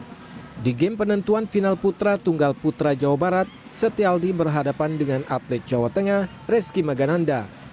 di pertandingan pertandingan setiap tanggal putra jawa barat setialdi berhadapan dengan atlet jawa tengah reski magananda